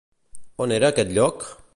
On era aquest lloc?